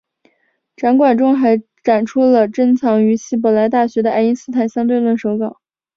展馆中还展出了珍藏于希伯来大学的爱因斯坦相对论手稿。